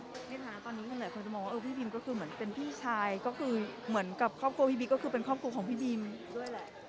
ในฐานะตอนนี้หลายคนจะมองว่าพี่บิ๊กก็คือเหมือนเป็นพี่ชาย